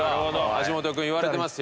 橋本君言われてますよ。